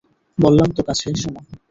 বললাম তো কাছে এসো না।